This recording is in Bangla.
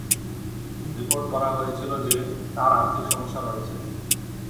রিপোর্ট করা হয়েছিল যে, তার আর্থিক সমস্যা রয়েছে।